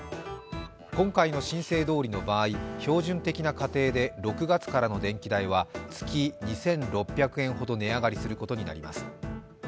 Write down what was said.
今回の申請どおりの場合、標準的な家庭で６月からの電気代は月２６００円ほど値上がりすることになります。